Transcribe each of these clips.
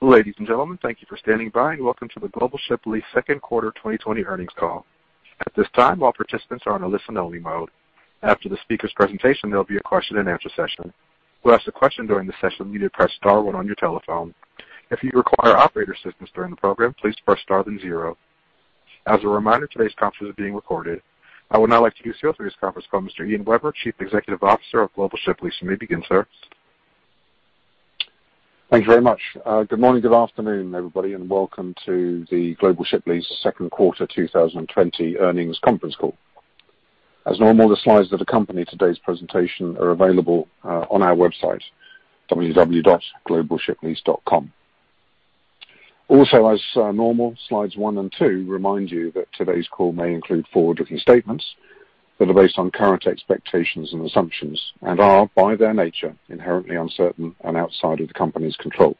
Ladies and gentlemen, thank you for standing by and welcome to the Global Ship Lease Q2 2020 earnings call. At this time, all participants are on a listen-only mode. After the speaker's presentation, there'll be a question-and-answer session. To ask a question during the session, you need to press star one on your telephone. If you require operator assistance during the program, please press star then zero. As a reminder, today's conference is being recorded. I would now like to introduce you to today's conference call, Mr. Ian Webber, Chief Executive Officer of Global Ship Lease. You may begin, sir. Thank you very much. Good morning, good afternoon, everybody, and welcome to the Global Ship Lease Q2 2020 earnings conference call. As normal, the slides that accompany today's presentation are available on our website, www.globalshiplease.com. Also, as normal, slides one and two remind you that today's call may include forward-looking statements that are based on current expectations and assumptions and are, by their nature, inherently uncertain and outside of the company's control.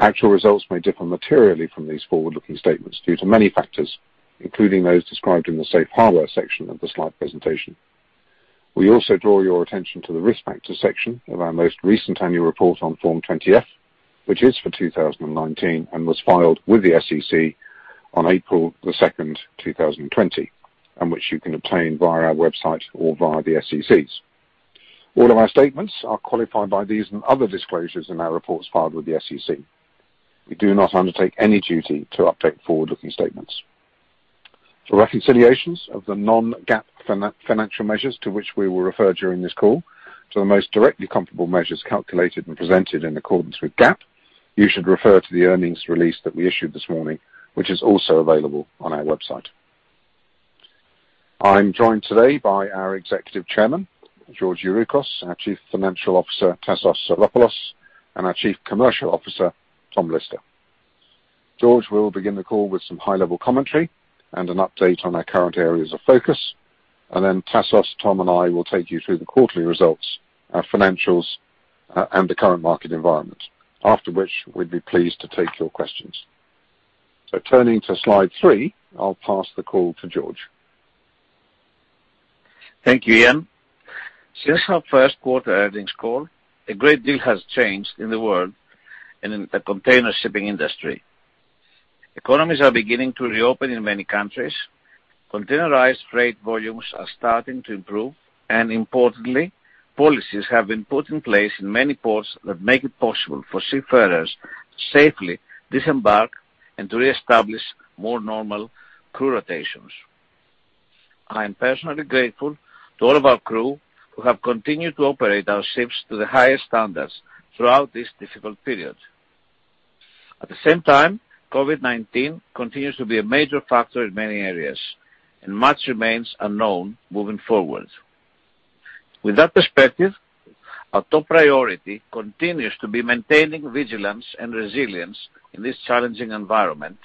Actual results may differ materially from these forward-looking statements due to many factors, including those described in the Safe Harbor section of the slide presentation. We also draw your attention to the risk factor section of our most recent annual report on Form 20-F, which is for 2019 and was filed with the SEC on April the 2nd, 2020, and which you can obtain via our website or via the SEC's. All of our statements are qualified by these and other disclosures in our reports filed with the SEC. We do not undertake any duty to update forward-looking statements. For reconciliations of the non-GAAP financial measures to which we will refer during this call, to the most directly comparable measures calculated and presented in accordance with GAAP, you should refer to the earnings release that we issued this morning, which is also available on our website. I'm joined today by our Executive Chairman, George Youroukos, our Chief Financial Officer, Tassos Psaropoulos, and our Chief Commercial Officer, Tom Lister. George will begin the call with some high-level commentary and an update on our current areas of focus, and then Tassos, Tom, and I will take you through the quarterly results, our financials, and the current market environment, after which we'd be pleased to take your questions. So turning to slide three, I'll pass the call to George. Thank you, Ian. Since our Q1 earnings call, a great deal has changed in the world and in the container shipping industry. Economies are beginning to reopen in many countries. Containerized freight volumes are starting to improve, and importantly, policies have been put in place in many ports that make it possible for seafarers to safely disembark and to reestablish more normal crew rotations. I am personally grateful to all of our crew who have continued to operate our ships to the highest standards throughout this difficult period. At the same time, COVID-19 continues to be a major factor in many areas, and much remains unknown moving forward. With that perspective, our top priority continues to be maintaining vigilance and resilience in this challenging environment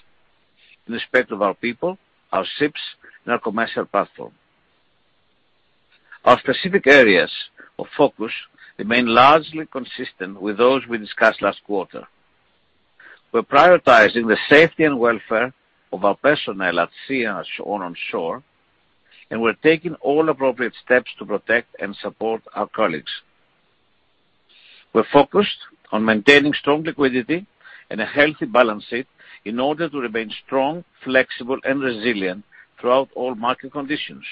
in respect of our people, our ships, and our commercial platform. Our specific areas of focus remain largely consistent with those we discussed last quarter. We're prioritizing the safety and welfare of our personnel at sea and onshore, and we're taking all appropriate steps to protect and support our colleagues. We're focused on maintaining strong liquidity and a healthy balance sheet in order to remain strong, flexible, and resilient throughout all market conditions.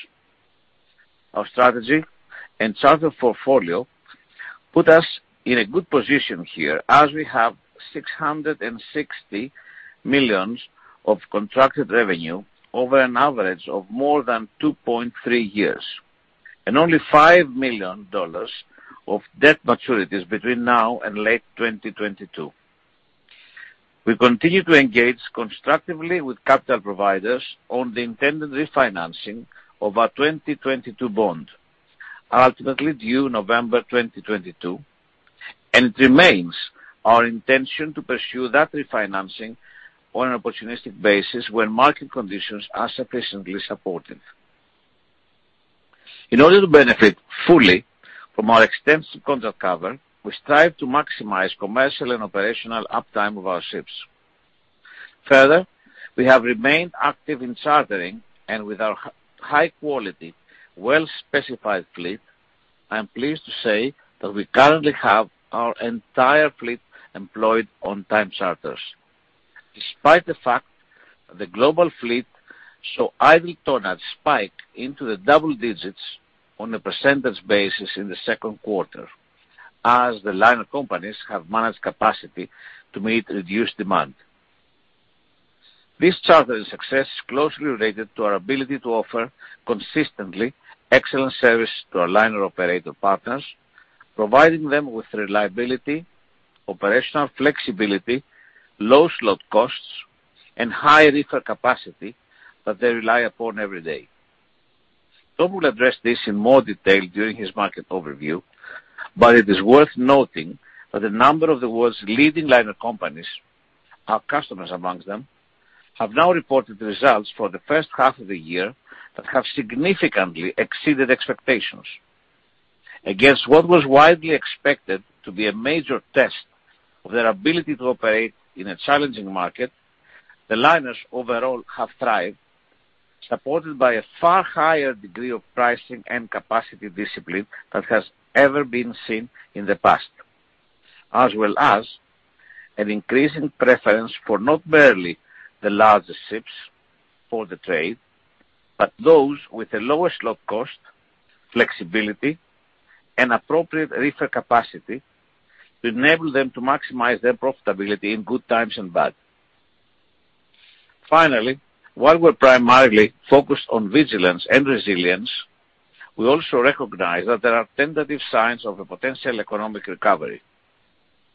Our strategy and charter portfolio put us in a good position here as we have $660 million of contracted revenue over an average of more than 2.3 years and only $5 million of debt maturities between now and late 2022. We continue to engage constructively with capital providers on the intended refinancing of our 2022 bond, ultimately due November 2022, and it remains our intention to pursue that refinancing on an opportunistic basis when market conditions are sufficiently supportive. In order to benefit fully from our extensive contract cover, we strive to maximize commercial and operational uptime of our ships. Further, we have remained active in chartering, and with our high-quality, well-specified fleet, I'm pleased to say that we currently have our entire fleet employed on time charters, despite the fact that the global fleet saw idle tonnage spike into the double digits on a percentage basis in the Q2 as the liner companies have managed capacity to meet reduced demand. This chartering success is closely related to our ability to offer consistently excellent service to our liner operator partners, providing them with reliability, operational flexibility, low slot costs, and high reefer capacity that they rely upon every day. Tom will address this in more detail during his market overview, but it is worth noting that a number of the world's leading liner companies, our customers amongst them, have now reported results for the first half of the year that have significantly exceeded expectations. Against what was widely expected to be a major test of their ability to operate in a challenging market, the liners overall have thrived, supported by a far higher degree of pricing and capacity discipline that has ever been seen in the past, as well as an increasing preference for not merely the largest ships for the trade, but those with a lower slot cost, flexibility, and appropriate reefer capacity to enable them to maximize their profitability in good times and bad. Finally, while we're primarily focused on vigilance and resilience, we also recognize that there are tentative signs of a potential economic recovery,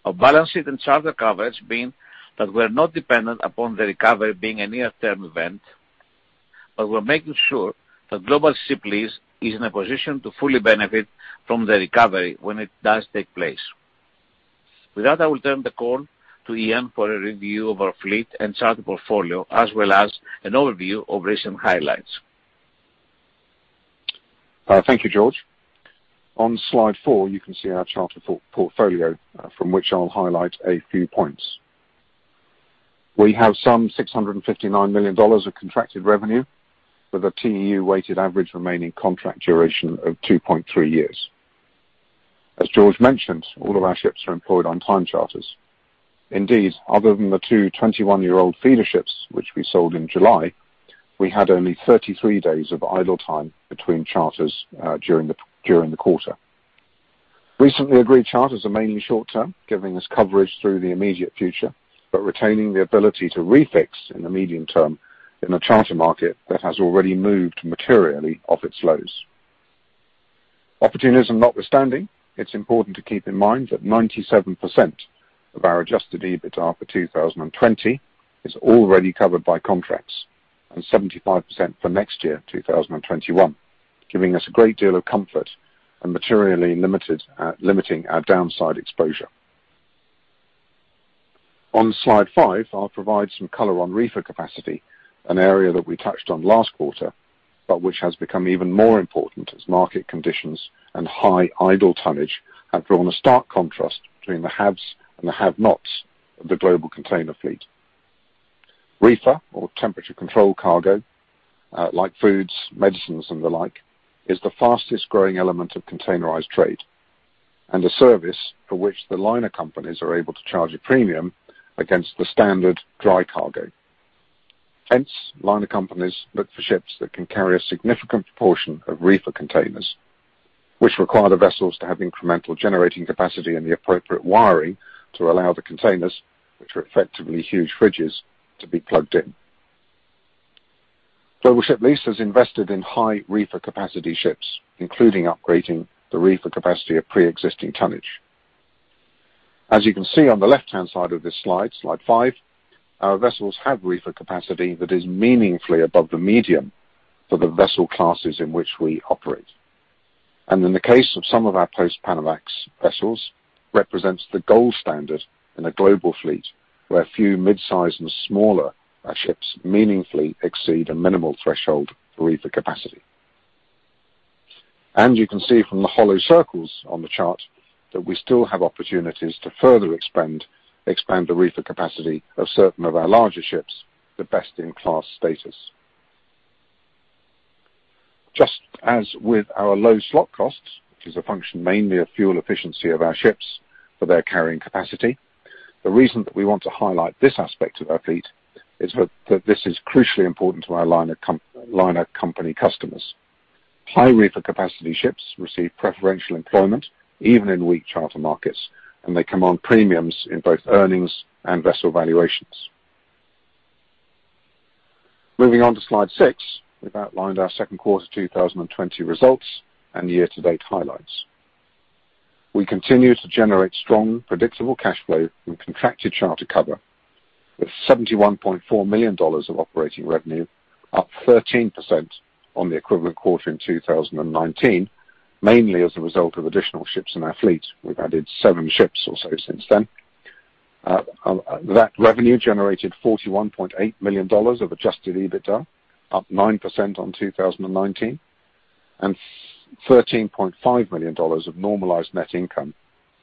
with a balance sheet and charter coverage being that we're not dependent upon the recovery being a near-term event, but we're making sure that Global Ship Lease is in a position to fully benefit from the recovery when it does take place. With that, I will turn the call to Ian for a review of our fleet and charter portfolio, as well as an overview of recent highlights. Thank you, George. On slide four, you can see our charter portfolio from which I'll highlight a few points. We have some $659 million of contracted revenue, with a TEU-weighted average remaining contract duration of 2.3 years. As George mentioned, all of our ships are employed on time charters. Indeed, other than the two 21-year-old feeder ships which we sold in July, we had only 33 days of idle time between charters during the quarter. Recently agreed charters are mainly short-term, giving us coverage through the immediate future, but retaining the ability to refix in the medium term in a charter market that has already moved materially off its lows. Opportunism notwithstanding, it's important to keep in mind that 97% of our Adjusted EBITDA for 2020 is already covered by contracts and 75% for next year, 2021, giving us a great deal of comfort and materially limiting our downside exposure. On slide five, I'll provide some color on reefer capacity, an area that we touched on last quarter, but which has become even more important as market conditions and high idle tonnage have drawn a stark contrast between the haves and the have-nots of the global container fleet. Reefer, or temperature-controlled cargo, like foods, medicines, and the like, is the fastest-growing element of containerized trade and a service for which the liner companies are able to charge a premium against the standard dry cargo. Hence, liner companies look for ships that can carry a significant proportion of reefer containers, which require the vessels to have incremental generating capacity and the appropriate wiring to allow the containers, which are effectively huge fridges, to be plugged in. Global Ship Lease has invested in high reefer capacity ships, including upgrading the reefer capacity of pre-existing tonnage. As you can see on the left-hand side of this slide, slide five, our vessels have reefer capacity that is meaningfully above the median for the vessel classes in which we operate, and in the case of some of our post-Panamax vessels, represents the gold standard in a global fleet where few midsize and smaller ships meaningfully exceed a minimal threshold for reefer capacity, and you can see from the hollow circles on the chart that we still have opportunities to further expand the reefer capacity of certain of our larger ships to best-in-class status. Just as with our low slot costs, which is a function mainly of fuel efficiency of our ships for their carrying capacity, the reason that we want to highlight this aspect of our fleet is that this is crucially important to our liner company customers. High reefer capacity ships receive preferential employment even in weak charter markets, and they command premiums in both earnings and vessel valuations. Moving on to slide six, we've outlined our Q2 2020 results and year-to-date highlights. We continue to generate strong, predictable cash flow and contracted charter cover, with $71.4 million of operating revenue, up 13% on the equivalent quarter in 2019, mainly as a result of additional ships in our fleet. We've added seven ships or so since then. That revenue generated $41.8 million of Adjusted EBITDA, up 9% on 2019, and $13.5 million of normalized net income,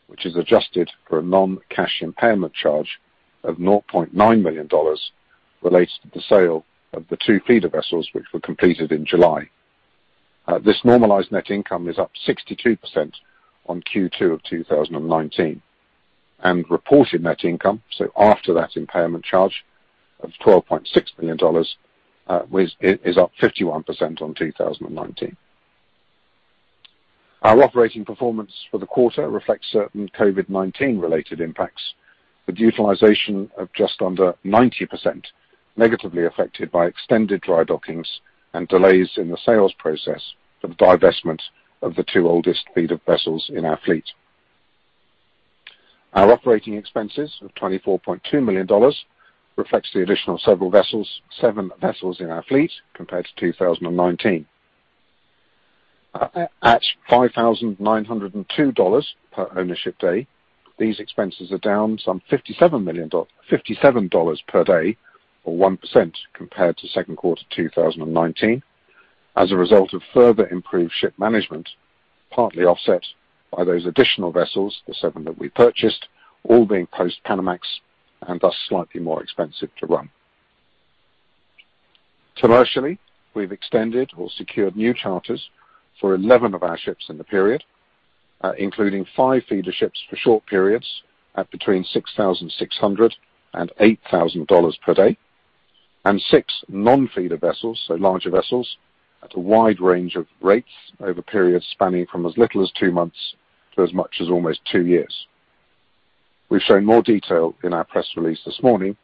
which is adjusted for a non-cash impairment charge of $0.9 million related to the sale of the two feeder vessels, which were completed in July. This normalized net income is up 62% on Q2 of 2019, and reported net income, so after that impairment charge of $12.6 million, is up 51% on 2019. Our operating performance for the quarter reflects certain COVID-19-related impacts, with utilization of just under 90% negatively affected by extended dry dockings and delays in the sales process for the divestment of the two oldest feeder vessels in our fleet. Our operating expenses of $24.2 million reflects the additional seven vessels in our fleet compared to 2019. At $5,902 per ownership day, these expenses are down some $57 per day, or 1% compared to Q2 2019, as a result of further improved ship management, partly offset by those additional vessels, the seven that we purchased, all being post-Panamax and thus slightly more expensive to run. Commercially, we've extended or secured new charters for 11 of our ships in the period, including five feeder ships for short periods at between $6,600 and $8,000 per day, and six non-feeder vessels, so larger vessels, at a wide range of rates over periods spanning from as little as two months to as much as almost two years. We've shown more detail in our press release this morning,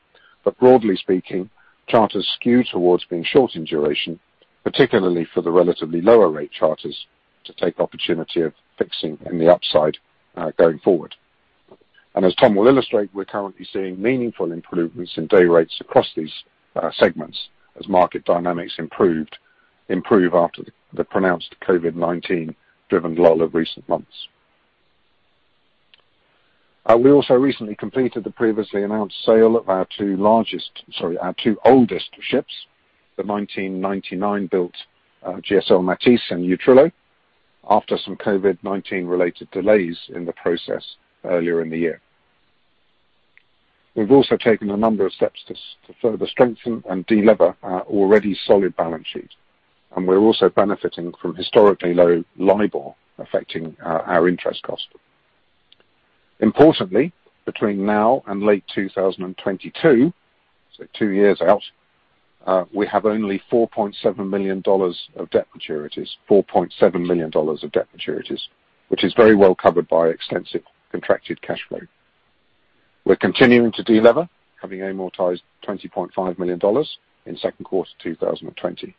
but broadly speaking, charters skew towards being short in duration, particularly for the relatively lower-rate charters, to take opportunity of fixing in the upside going forward, and as Tom will illustrate, we're currently seeing meaningful improvements in day rates across these segments as market dynamics improve after the pronounced COVID-19-driven lull of recent months. We also recently completed the previously announced sale of our two largest, sorry, our two oldest ships, the 1999-built GSL Matisse and Utrillo, after some COVID-19-related delays in the process earlier in the year. We've also taken a number of steps to further strengthen and deliver our already solid balance sheet, and we're also benefiting from historically low LIBOR affecting our interest cost. Importantly, between now and late 2022, so two years out, we have only $4.7 million of debt maturities, $4.7 million of debt maturities, which is very well covered by extensive contracted cash flow. We're continuing to deliver, having amortized $20.5 million in Q2 2020.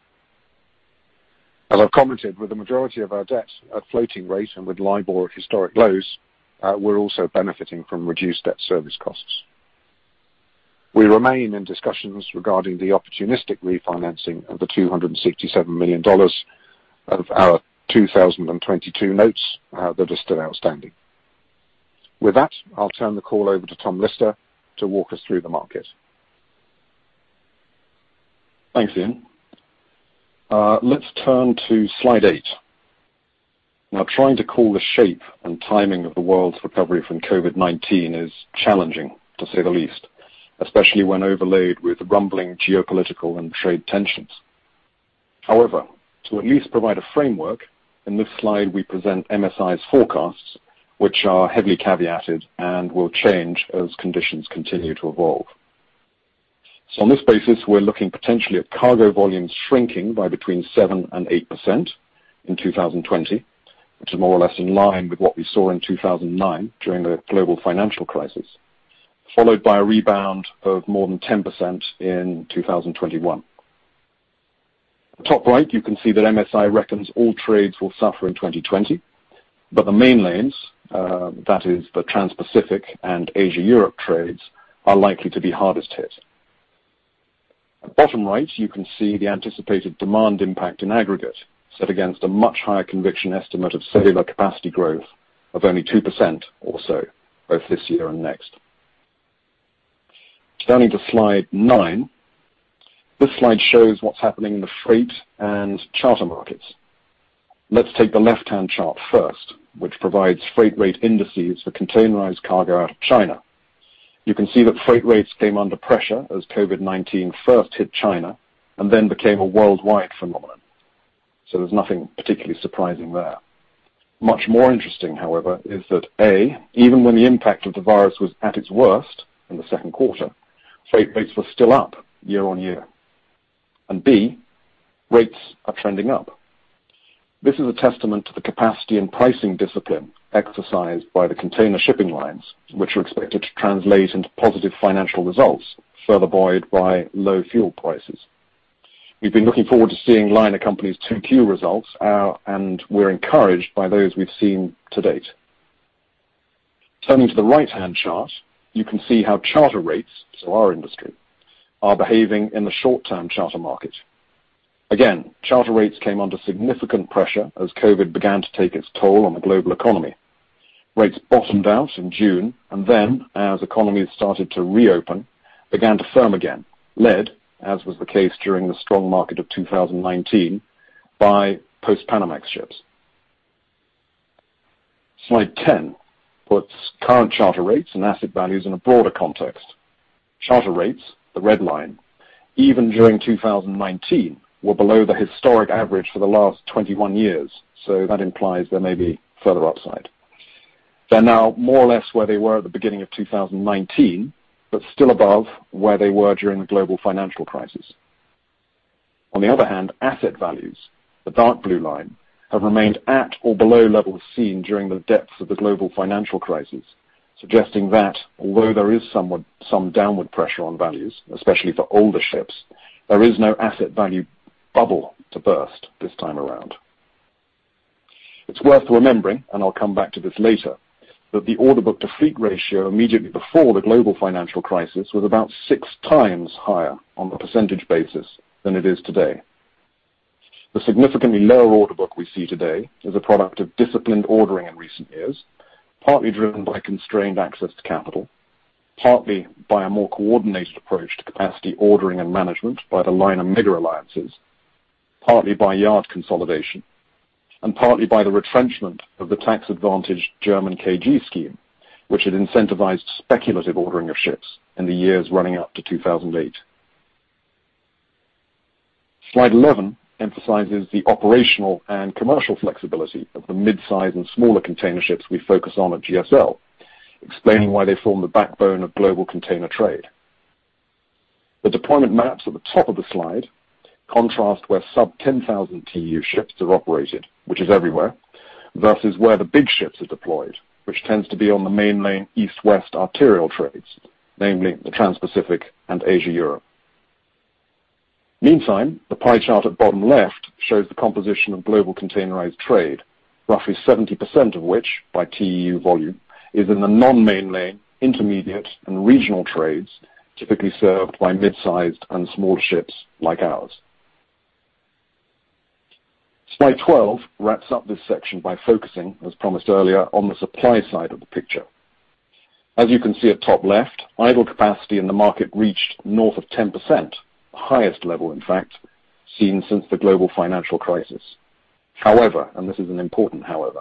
As I've commented, with the majority of our debt at floating rate and with LIBOR at historic lows, we're also benefiting from reduced debt service costs. We remain in discussions regarding the opportunistic refinancing of the $267 million of our 2022 notes that are still outstanding. With that, I'll turn the call over to Tom Lister to walk us through the market. Thanks, Ian. Let's turn to slide eight. Now, trying to call the shape and timing of the world's recovery from COVID-19 is challenging, to say the least, especially when overlaid with rumbling geopolitical and trade tensions. However, to at least provide a framework, in this slide we present MSI's forecasts, which are heavily caveated and will change as conditions continue to evolve. So on this basis, we're looking potentially at cargo volumes shrinking by between 7% and 8% in 2020, which is more or less in line with what we saw in 2009 during the global financial crisis, followed by a rebound of more than 10% in 2021. Top right, you can see that MSI reckons all trades will suffer in 2020, but the main lanes, that is, the Trans-Pacific and Asia-Europe trades, are likely to be hardest hit. Bottom right, you can see the anticipated demand impact in aggregate set against a much higher conviction estimate of cellular capacity growth of only 2% or so, both this year and next. Turning to slide nine, this slide shows what's happening in the freight and charter markets. Let's take the left-hand chart first, which provides freight rate indices for containerized cargo out of China. You can see that freight rates came under pressure as COVID-19 first hit China and then became a worldwide phenomenon, so there's nothing particularly surprising there. Much more interesting, however, is that, A, even when the impact of the virus was at its worst in the Q2, freight rates were still up year on year, and B, rates are trending up. This is a testament to the capacity and pricing discipline exercised by the container shipping lines, which are expected to translate into positive financial results, further buoyed by low fuel prices. We've been looking forward to seeing liner companies' Q2 results, and we're encouraged by those we've seen to date. Turning to the right-hand chart, you can see how charter rates, so our industry, are behaving in the short-term charter market. Again, charter rates came under significant pressure as COVID began to take its toll on the global economy. Rates bottomed out in June, and then, as economies started to reopen, began to firm again, led, as was the case during the strong market of 2019, by Post-Panamax ships. Slide 10 puts current charter rates and asset values in a broader context. Charter rates, the red line, even during 2019, were below the historic average for the last 21 years, so that implies there may be further upside. They're now more or less where they were at the beginning of 2019, but still above where they were during the global financial crisis. On the other hand, asset values, the dark blue line, have remained at or below levels seen during the depths of the global financial crisis, suggesting that, although there is some downward pressure on values, especially for older ships, there is no asset value bubble to burst this time around. It's worth remembering, and I'll come back to this later, that the order book-to-fleet ratio immediately before the global financial crisis was about six times higher on a percentage basis than it is today. The significantly lower order book we see today is a product of disciplined ordering in recent years, partly driven by constrained access to capital, partly by a more coordinated approach to capacity ordering and management by the liner megalliances, partly by yard consolidation, and partly by the retrenchment of the tax-advantaged German KG scheme, which had incentivized speculative ordering of ships in the years running up to 2008. Slide 11 emphasizes the operational and commercial flexibility of the midsize and smaller container ships we focus on at GSL, explaining why they form the backbone of global container trade. The deployment maps at the top of the slide contrast where sub-10,000 TEU ships are operated, which is everywhere, versus where the big ships are deployed, which tends to be on the main lane east-west arterial trades, namely the Trans-Pacific and Asia-Europe. Meantime, the pie chart at bottom left shows the composition of global containerized trade, roughly 70% of which, by TEU volume, is in the non-main lane, intermediate, and regional trades, typically served by midsized and smaller ships like ours. Slide 12 wraps up this section by focusing, as promised earlier, on the supply side of the picture. As you can see at top left, idle capacity in the market reached north of 10%, the highest level, in fact, seen since the global financial crisis. However, and this is an important however,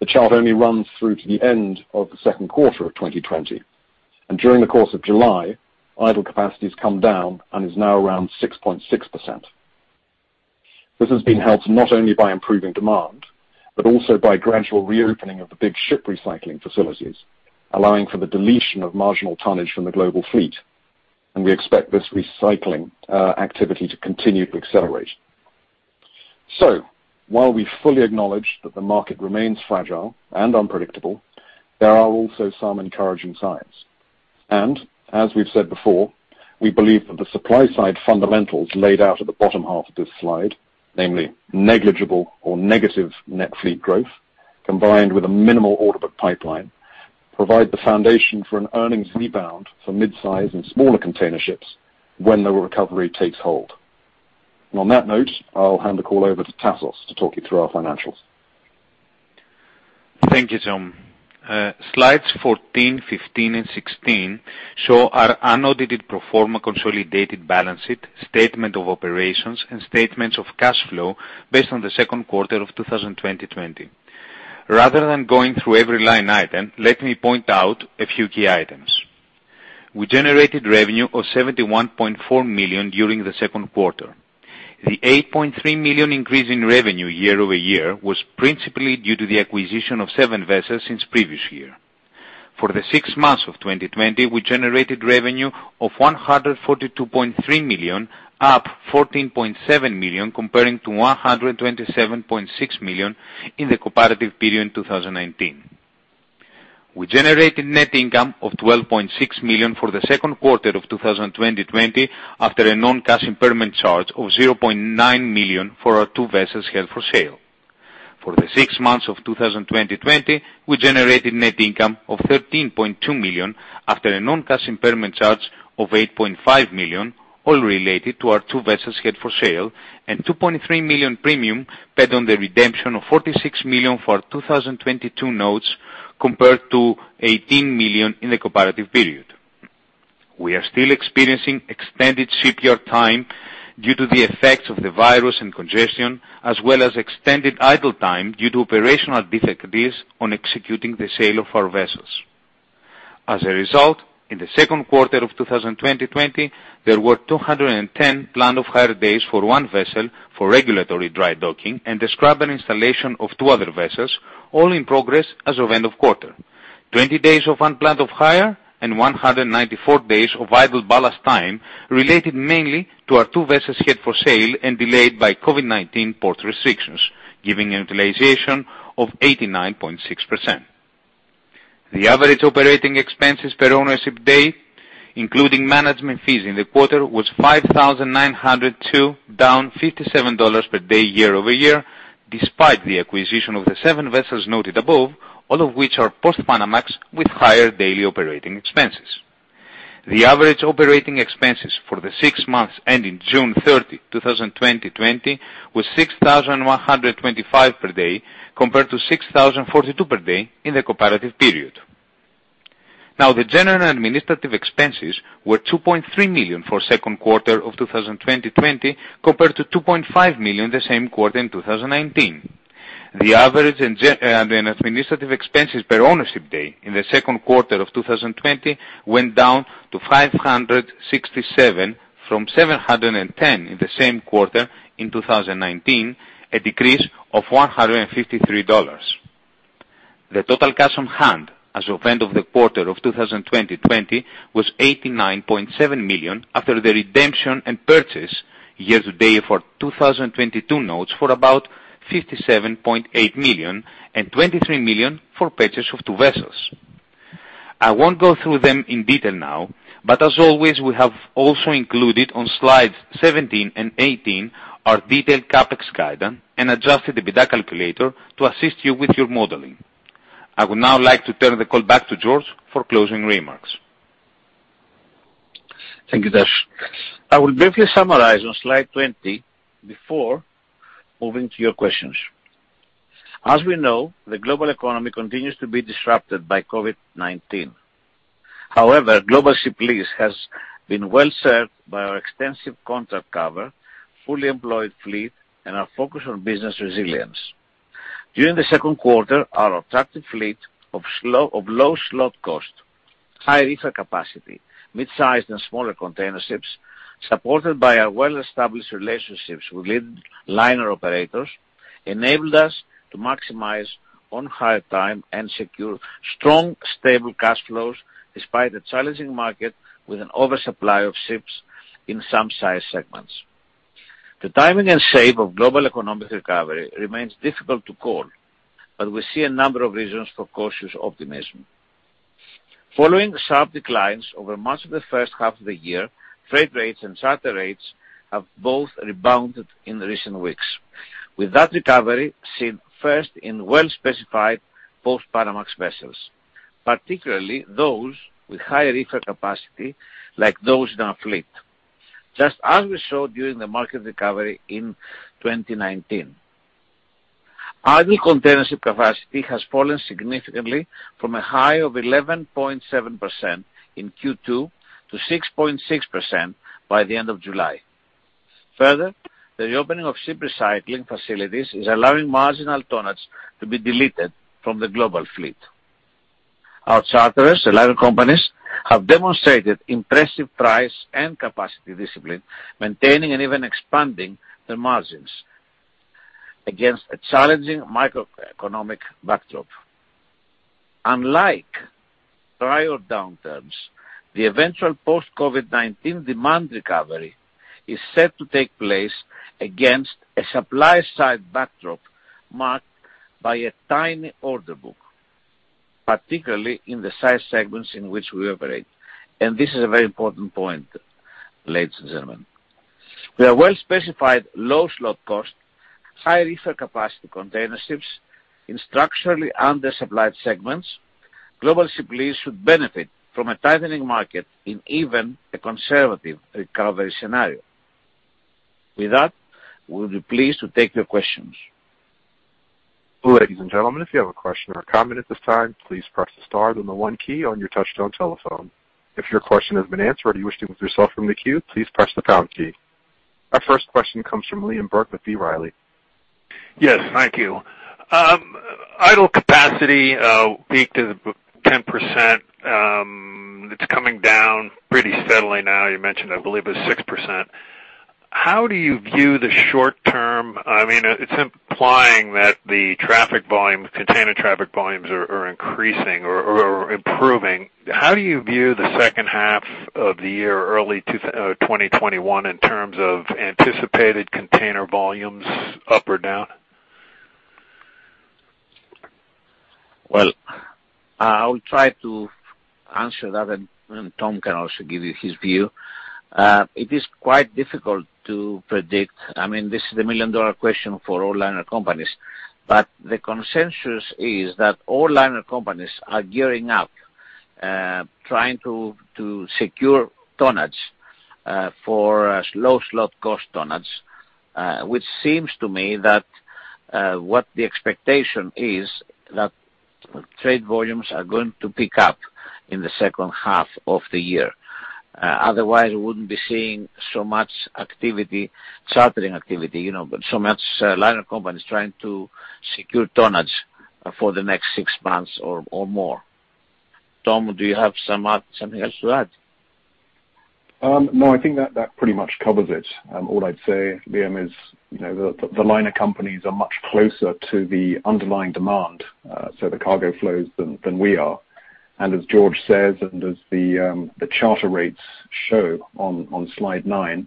the chart only runs through to the end of the Q2 of 2020, and during the course of July, idle capacity has come down and is now around 6.6%. This has been helped not only by improving demand, but also by gradual reopening of the big ship recycling facilities, allowing for the deletion of marginal tonnage from the global fleet, and we expect this recycling activity to continue to accelerate. So, while we fully acknowledge that the market remains fragile and unpredictable, there are also some encouraging signs. And, as we've said before, we believe that the supply-side fundamentals laid out at the bottom half of this slide, namely negligible or negative net fleet growth, combined with a minimal order book pipeline, provide the foundation for an earnings rebound for midsize and smaller container ships when the recovery takes hold. And on that note, I'll hand the call over to Tassos to talk you through our financials. Thank you, Tom. Slides 14, 15, and 16 show our unaudited pro forma consolidated balance sheet, statement of operations, and statements of cash flow based on the Q2 of 2020. Rather than going through every line item, let me point out a few key items. We generated revenue of $71.4 million during the Q2. The $8.3 million increase in revenue year over year was principally due to the acquisition of seven vessels since previous year. For the six months of 2020, we generated revenue of $142.3 million, up $14.7 million, comparing to $127.6 million in the comparative period in 2019. We generated net income of $12.6 million for the Q2 of 2020 after a non-cash impairment charge of $0.9 million for our two vessels held for sale. For the six months of 2020, we generated net income of $13.2 million after a non-cash impairment charge of $8.5 million, all related to our two vessels held for sale, and $2.3 million premium paid on the redemption of $46 million for our 2022 notes, compared to $18 million in the comparative period. We are still experiencing extended shipyard time due to the effects of the virus and congestion, as well as extended idle time due to operational difficulties on executing the sale of our vessels. As a result, in the Q2 of 2020, there were 210 planned off-hire days for one vessel for regulatory dry docking and the scrubber installation of two other vessels, all in progress as of end of quarter. 20 days of unplanned off-hire and 194 days of idle ballast time related mainly to our two vessels held for sale and delayed by COVID-19 port restrictions, giving a utilization of 89.6%. The average operating expenses per ownership day, including management fees in the quarter, was $5,902, down $57 per day year over year, despite the acquisition of the seven vessels noted above, all of which are post-Panamax with higher daily operating expenses. The average operating expenses for the six months ending June 30, 2020, was $6,125 per day, compared to $6,042 per day in the comparative period. Now, the general administrative expenses were $2.3 million for the Q2 of 2020, compared to $2.5 million the same quarter in 2019. The average administrative expenses per ownership day in the Q2 of 2020 went down to $567 from $710 in the same quarter in 2019, a decrease of $153. The total cash on hand as of end of the quarter of 2020 was $89.7 million after the redemption and purchase year-to-date for 2022 notes for about $57.8 million and $23 million for purchase of two vessels. I won't go through them in detail now, but as always, we have also included on slides 17 and 18 our detailed CapEx guidance and Adjusted EBITDA calculator to assist you with your modeling. I would now like to turn the call back to George for closing remarks. Thank you, Desh. I will briefly summarize on slide 20 before moving to your questions. As we know, the global economy continues to be disrupted by COVID-19. However, Global Ship Lease has been well served by our extensive contract cover, fully employed fleet, and our focus on business resilience. During the Q2, our attractive fleet of low slot cost, high reefer capacity, midsized, and smaller container ships, supported by our well-established relationships with leading liner operators, enabled us to maximize on-hire time and secure strong, stable cash flows despite a challenging market with an oversupply of ships in some size segments. The timing and shape of global economic recovery remains difficult to call, but we see a number of reasons for cautious optimism. Following sharp declines over much of the first half of the year, freight rates and charter rates have both rebounded in recent weeks, with that recovery seen first in well-specified Post-Panamax vessels, particularly those with high reefer capacity like those in our fleet, just as we saw during the market recovery in 2019. Idle container ship capacity has fallen significantly from a high of 11.7% in Q2 to 6.6% by the end of July. Further, the reopening of ship recycling facilities is allowing marginal tonnage to be deleted from the global fleet. Our charterers, the liner companies, have demonstrated impressive price and capacity discipline, maintaining and even expanding their margins against a challenging microeconomic backdrop. Unlike prior downturns, the eventual post-COVID-19 demand recovery is set to take place against a supply-side backdrop marked by a tiny order book, particularly in the size segments in which we operate, and this is a very important point, ladies and gentlemen. With our well-specified low slot cost, high reefer capacity container ships in structurally undersupplied segments, Global Ship Lease should benefit from a tightening market in even a conservative recovery scenario. With that, we'll be pleased to take your questions. Ladies and gentlemen, if you have a question or a comment at this time, please press the star then the one key on your touch-tone telephone. If your question has been answered or you wish to remove yourself from the queue, please press the pound key. Our first question comes from Liam [Tassos] Burke with B. Riley. Yes, thank you. Idle capacity peaked at 10%. It's coming down pretty steadily now. You mentioned, I believe, it was 6%. How do you view the short term? I mean, it's implying that the traffic volumes, container traffic volumes, are increasing or improving. How do you view the second half of the year, early 2021, in terms of anticipated container volumes up or down? I will try to answer that, and Tom can also give you his view. It is quite difficult to predict. I mean, this is the million-dollar question for all liner companies, but the consensus is that all liner companies are gearing up, trying to secure tonnage for low slot cost tonnage, which seems to me that what the expectation is that trade volumes are going to pick up in the second half of the year. Otherwise, we wouldn't be seeing so much chartering activity, so much liner companies trying to secure tonnage for the next six months or more. Tom, do you have something else to add? No, I think that that pretty much covers it. All I'd say, Liam, is the liner companies are much closer to the underlying demand, so the cargo flows, than we are. And as George says and as the charter rates show on slide nine,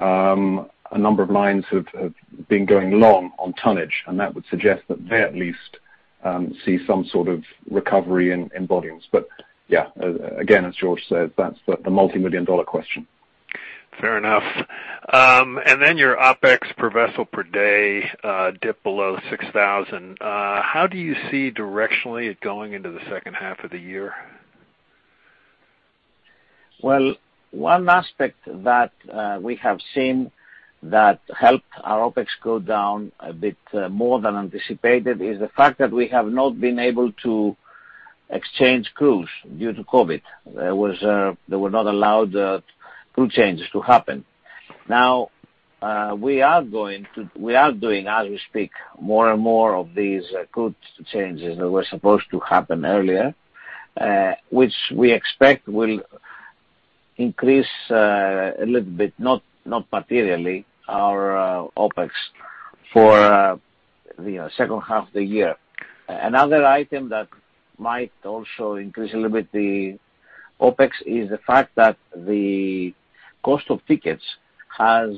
a number of lines have been going long on tonnage, and that would suggest that they at least see some sort of recovery in volumes. But yeah, again, as George says, that's the multi-million dollar question. Fair enough. And then your OpEx per vessel per day dipped below $6,000. How do you see it directionally going into the second half of the year? One aspect that we have seen that helped our OpEx go down a bit more than anticipated is the fact that we have not been able to exchange crews due to COVID. There were not allowed crew changes to happen. Now, we are doing, as we speak, more and more of these crew changes that were supposed to happen earlier, which we expect will increase a little bit, not materially, our OpEx for the second half of the year. Another item that might also increase a little bit the OpEx is the fact that the cost of tickets has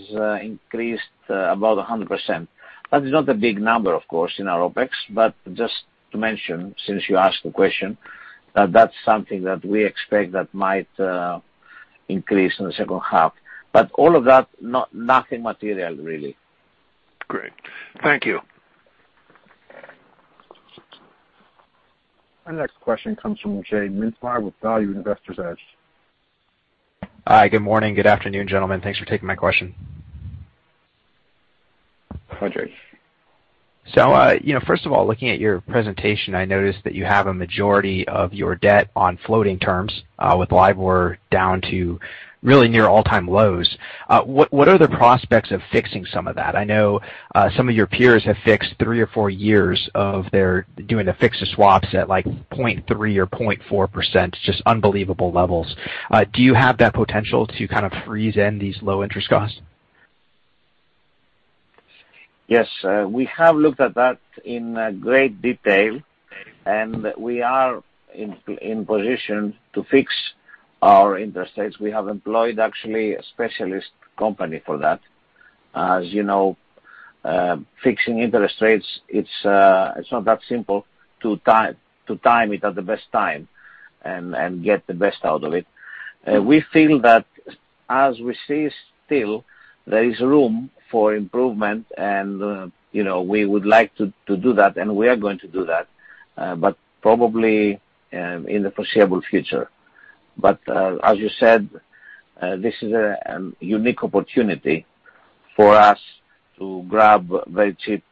increased about 100%. That is not a big number, of course, in our OpEx, but just to mention, since you asked the question, that that's something that we expect that might increase in the second half. But all of that, nothing material, really. Great. Thank you. The next question comes from Jay J Mintzmyer with Value Investor's Edge. Hi, good morning. Good afternoon, gentlemen. Thanks for taking my question. Hi, Jay. . J. First of all, looking at your presentation, I noticed that you have a majority of your debt on floating terms with LIBOR down to really near all-time lows. What are the prospects of fixing some of that? I know some of your peers have fixed three or four years of their doing the fix-to-swaps at like 0.3 or 0.4%, just unbelievable levels. Do you have that potential to kind of freeze in these low interest costs? Yes. We have looked at that in great detail, and we are in position to fix our interest rates. We have employed, actually, a specialist company for that. As you know, fixing interest rates, it's not that simple to time it at the best time and get the best out of it. We feel that, as we see still, there is room for improvement, and we would like to do that, and we are going to do that, but probably in the foreseeable future. But as you said, this is a unique opportunity for us to grab very cheap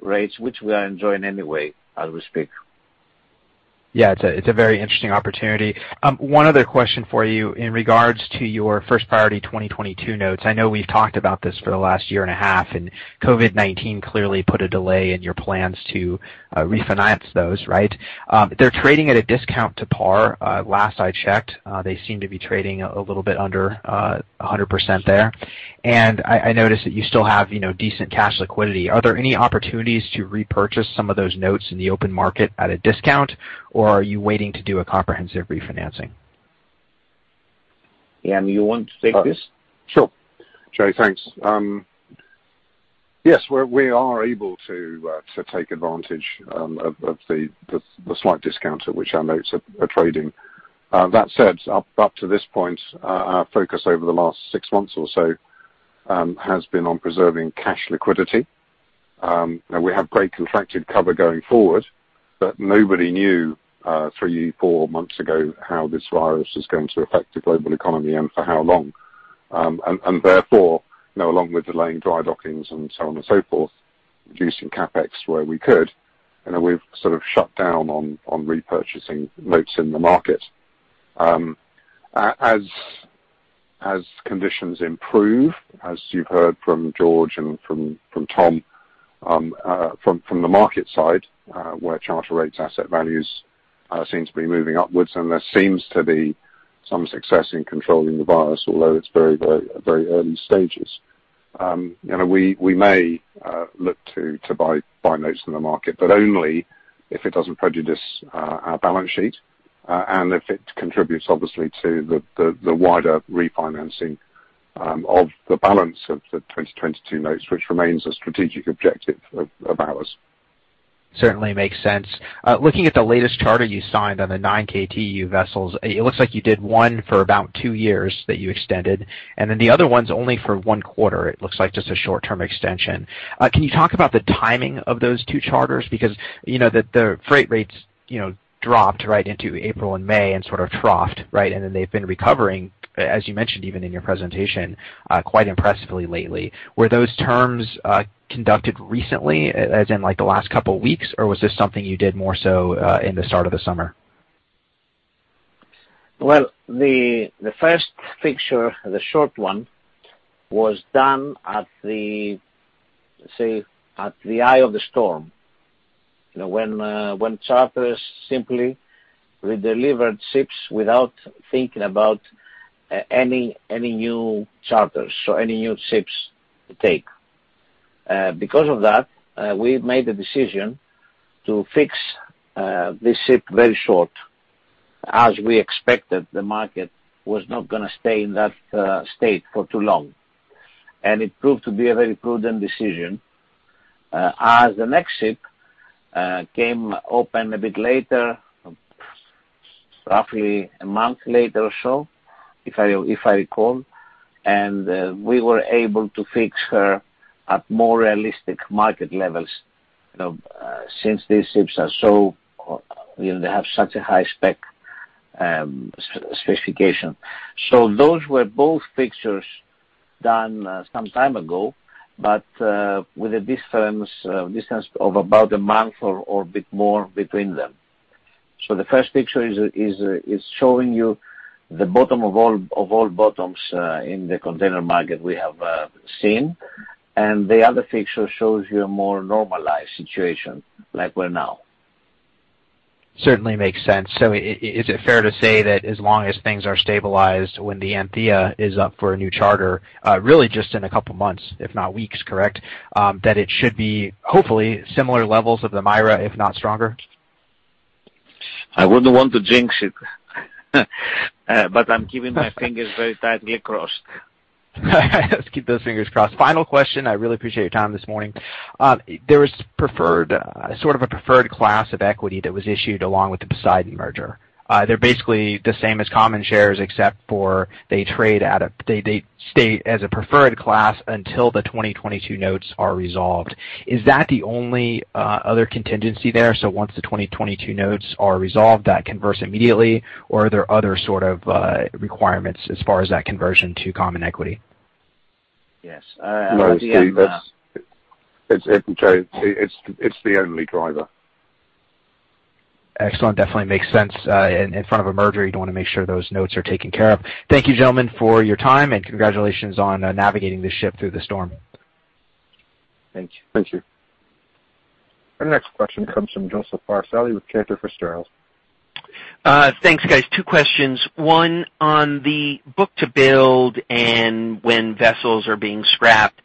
rates, which we are enjoying anyway as we speak. Yeah, it's a very interesting opportunity. One other question for you in regards to your first priority 2022 notes. I know we've talked about this for the last year and a half, and COVID-19 clearly put a delay in your plans to refinance those, right? They're trading at a discount to par. Last I checked, they seem to be trading a little bit under 100% there. And I noticed that you still have decent cash liquidity. Are there any opportunities to repurchase some of those notes in the open market at a discount, or are you waiting to do a comprehensive refinancing? [Tassos], you want to take this? Sure. Jay,, J, thanks. Yes, we are able to take advantage of the slight discount at which our notes are trading. That said, up to this point, our focus over the last six months or so has been on preserving cash liquidity. We have great contracted cover going forward, but nobody knew three, four months ago how this virus was going to affect the global economy and for how long. And therefore, along with delaying dry dockings and so on and so forth, reducing CapEx where we could, we've sort of shut down on repurchasing notes in the market. As conditions improve, as you've heard from George and from Tom, from the market side, where charter rates, asset values seem to be moving upwards, and there seems to be some success in controlling the virus, although it's very, very early stages. We may look to buy notes in the market, but only if it doesn't prejudice our balance sheet and if it contributes, obviously, to the wider refinancing of the balance of the 2022 notes, which remains a strategic objective of ours. Certainly makes sense. Looking at the latest charter you signed on the 9K TEU vessels, it looks like you did one for about two years that you extended, and then the other one's only for one quarter. It looks like just a short-term extension. Can you talk about the timing of those two charters? Because the freight rates dropped right into April and May and sort of troughed, right? And then they've been recovering, as you mentioned even in your presentation, quite impressively lately. Were those terms concluded recently, as in like the last couple of weeks, or was this something you did more so in the start of the summer? The first fixture, the short one, was done at the eye of the storm when charters simply redelivered ships without thinking about any new charters, so any new ships to take. Because of that, we made the decision to fix this ship very short, as we expected the market was not going to stay in that state for too long. It proved to be a very prudent decision. The next ship came open a bit later, roughly a month later or so, if I recall, and we were able to fix her at more realistic market levels since these ships are so they have such a high specification. Those were both fixtures done some time ago, but with a distance of about a month or a bit more between them. So the first fixture is showing you the bottom of all bottoms in the container market we have seen, and the other fixture shows you a more normalized situation like we're now. Certainly makes sense. So is it fair to say that as long as things are stabilized when the Anthea Y is up for a new charter, really just in a couple of months, if not weeks, correct, that it should be hopefully similar levels of the Maira, if not stronger? I wouldn't want to jinx it, but I'm keeping my fingers very tightly crossed. Let's keep those fingers crossed. Final question. I really appreciate your time this morning. There was sort of a preferred class of equity that was issued along with the Poseidon merger. They're basically the same as common shares, except for they trade at a - they stay as a preferred class until the 2022 notes are resolved. Is that the only other contingency there? So once the 2022 notes are resolved, that converts immediately, or are there other sort of requirements as far as that conversion to common equity? Yes. No, it's the only driver. Excellent. Definitely makes sense. In front of a merger, you'd want to make sure those notes are taken care of. Thank you, gentlemen, for your time, and congratulations on navigating this ship through the storm. Thank you. Thank you. And the next question comes from Joseph Barsali with Caterpillar Steriles. Thanks, guys. Two questions. One on the order book and when vessels are being scrapped.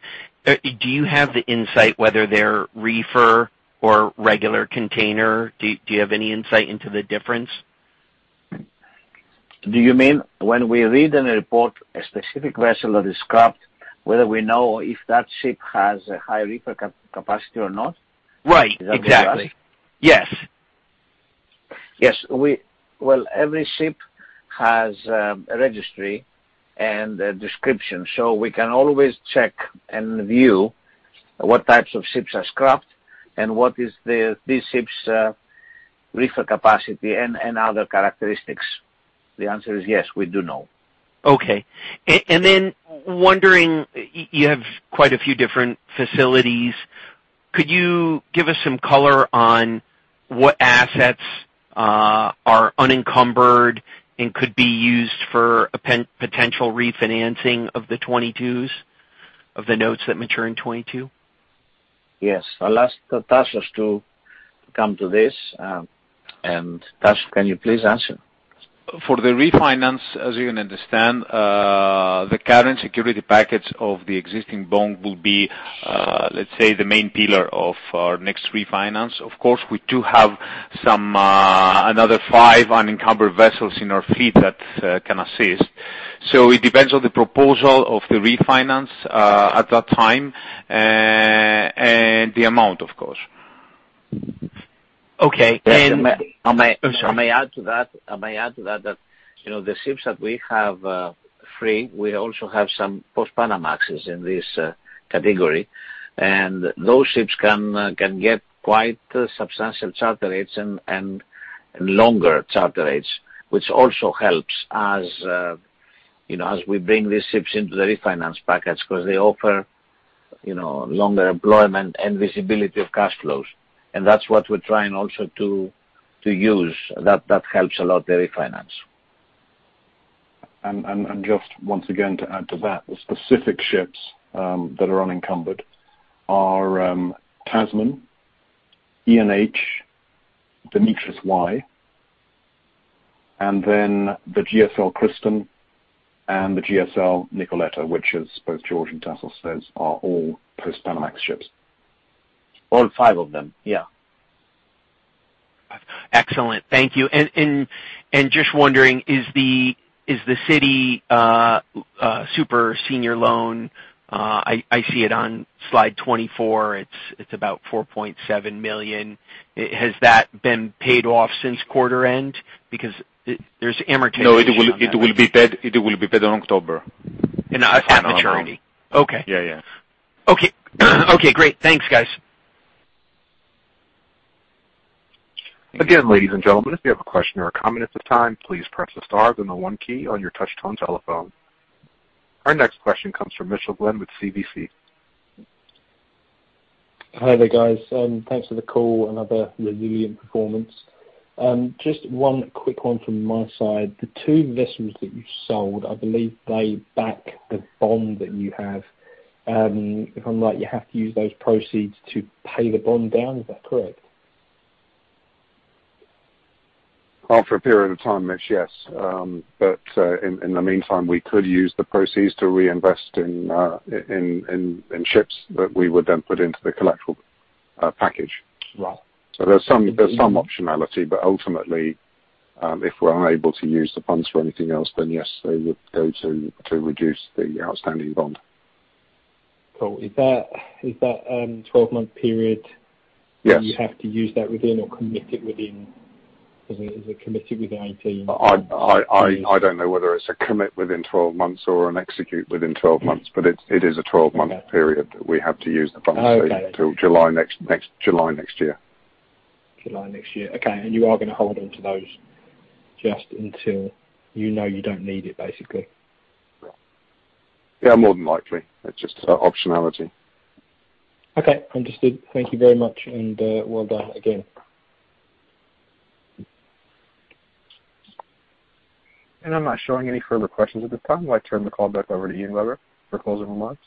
Do you have the insight whether they're reefer or regular container? Do you have any insight into the difference? Do you mean when we read in a report a specific vessel that is scrapped, whether we know if that ship has a high reefer capacity or not? Right. Exactly. Yes. Yes. Well, every ship has a registry and a description, so we can always check and view what types of ships are scrapped and what is these ships' reefer capacity and other characteristics. The answer is yes, we do know. Okay. And then wondering, you have quite a few different facilities. Could you give us some color on what assets are unencumbered and could be used for a potential refinancing of the 2022s, of the notes that mature in 2022? Yes. I'll ask Tassos to come to this, and Tassos, can you please answer? For the refinance, as you can understand, the current security package of the existing bond will be, let's say, the main pillar of our next refinance. Of course, we do have another five unencumbered vessels in our fleet that can assist. So it depends on the proposal of the refinance at that time and the amount, of course. Okay. And. I may add to that. I may add to that that the ships that we have free, we also have some post-Panamax in this category, and those ships can get quite substantial charter rates and longer charter rates, which also helps as we bring these ships into the refinance package because they offer longer employment and visibility of cash flows, and that's what we're trying also to use. That helps a lot the refinance. Just once again to add to that, the specific ships that are unencumbered are Tasman, Ian H, Dimitris Y, and then the GSL Katerina and the GSL Nicoletta, which, as both George and Tassos says, are all post-Panamax ships. All five of them, yeah. Excellent. Thank you. And just wondering, is the Citi super senior loan? I see it on slide 24. It's about $4.7 million. Has that been paid off since quarter end? Because there's amortization. No, it will be paid in October. That's at maturity. Okay. Yeah, yeah. Okay. Okay. Great. Thanks, guys. Again, ladies and gentlemen, if you have a question or a comment at this time, please press the stars and the one key on your touch-tone telephone. Our next question comes from Mitchell Glynn with CVC. Hi there, guys. Thanks for the call and another resilient performance. Just one quick one from my side. The two vessels that you sold, I believe they back the bond that you have. If I'm right, you have to use those proceeds to pay the bond down. Is that correct? For a period of time, yes. But in the meantime, we could use the proceeds to reinvest in ships that we would then put into the collateral package. So there's some optionality, but ultimately, if we're unable to use the funds for anything else, then yes, they would go to reduce the outstanding bond. Cool. Is that a 12-month period? Yes. You have to use that within or commit it within? Is it committed within 18? I don't know whether it's a commit within 12 months or an execute within 12 months, but it is a 12-month period that we have to use the funds until July next year. July next year. Okay. And you are going to hold on to those just until you know you don't need it, basically? Yeah, more than likely. It's just optionality. Okay. Understood. Thank you very much and well done again. And I'm not showing any further questions at this time. I turn the call back over to Ian Webber for closing remarks.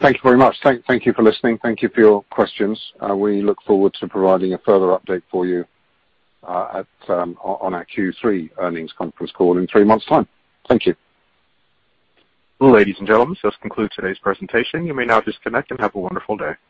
Thank you very much. Thank you for listening. Thank you for your questions. We look forward to providing a further update for you on our Q3 earnings conference call in three months' time. Thank you. Well, ladies and gentlemen, this concludes today's presentation. You may now disconnect and have a wonderful day.